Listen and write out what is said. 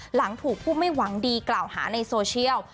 หลังถูกผู้ไม่หวังดีกล่าวหาในโซเชียล